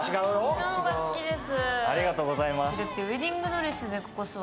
こっちの方が好きです。